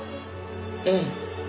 ええ。